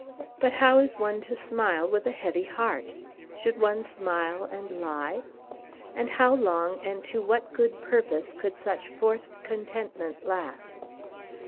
But how is one to smile with a heavy heart? Should one smile and lie? And how long and to what good purpose can such forced contentment last?